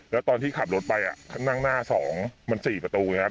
แล้วตอนที่ขับรถไปนั่งหน้า๒มัน๔ประตูไงครับ